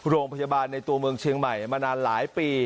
โรงพยาบาลในตัวเมืองเชียงใหม่มานานหลายปี